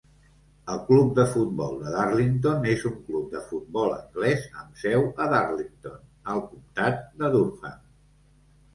El club de futbol de Darlington és un club de futbol anglès amb seu a Darlington, al comtat de Durham.